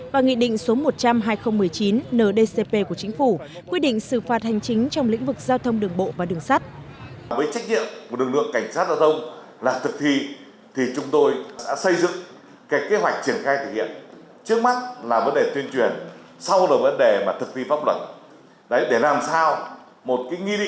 và nghị định số một trăm linh hai nghìn một mươi chín ndcp của chính phủ quy định xử phạt hành chính trong lĩnh vực giao thông đường bộ và đường sắt